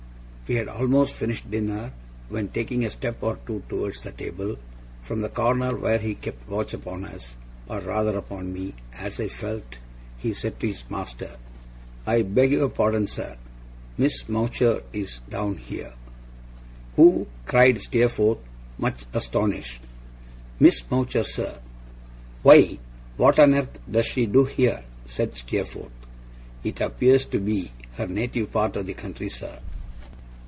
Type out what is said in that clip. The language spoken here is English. We had almost finished dinner, when taking a step or two towards the table, from the corner where he kept watch upon us, or rather upon me, as I felt, he said to his master: 'I beg your pardon, sir. Miss Mowcher is down here.' 'Who?' cried Steerforth, much astonished. 'Miss Mowcher, sir.' 'Why, what on earth does she do here?' said Steerforth. 'It appears to be her native part of the country, sir.